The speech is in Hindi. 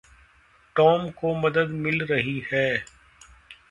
टॉम को मदद मिल रही है।